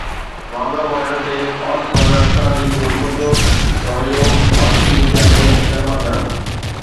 Wagah border تي fast bowler Hasan Ali جو پرجوش رويو ڀارتي ميڊيا ۾ گرما گرم